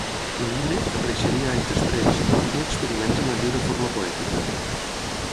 El llibre, que apareixeria anys després, contenia experiments amb la lliure forma poètica.